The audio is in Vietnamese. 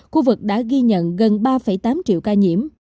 khu vực đã ghi nhận gần ba tám triệu ca nhiễm